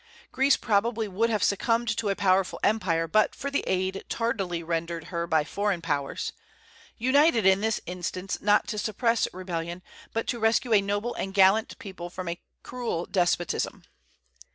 Greece probably would have succumbed to a powerful empire but for the aid tardily rendered her by foreign Powers, united in this instance, not to suppress rebellion, but to rescue a noble and gallant people from a cruel despotism.